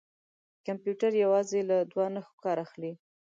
کمپیوټر یوازې له دوه نښو کار اخلي.